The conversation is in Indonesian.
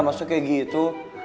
maksudnya kayak gitu